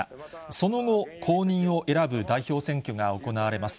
その後、後任を選ぶ代表選挙が行われます。